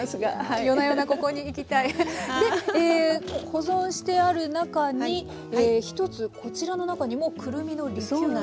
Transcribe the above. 保存してある中に１つこちらの中にもくるみのリキュールが。